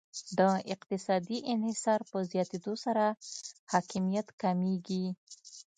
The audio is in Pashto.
د اقتصادي انحصار په زیاتیدو سره حاکمیت کمیږي